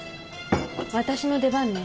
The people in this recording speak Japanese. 私の出番ね。